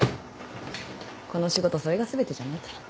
この仕事それが全てじゃないから。